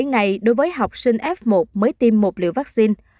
bảy ngày đối với học sinh f một mới tiêm một liều vaccine